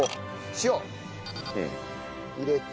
塩入れて。